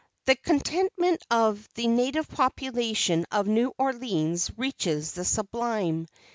The contentment of the native population of New Orleans reaches the sublime.